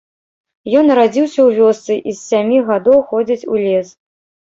Ён нарадзіўся ў вёсцы і з сямі гадоў ходзіць у лес.